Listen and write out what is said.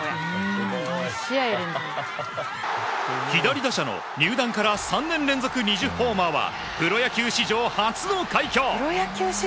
左打者の入団から３年連続２０ホーマーはプロ野球史上初の快挙！